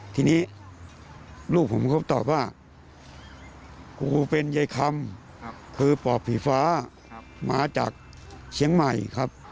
ทีนี้ลูกผมก็ตอบว่ากูเป็นยายคำคือปอบผีฟ้ามาจากเชียงใหม่ครับ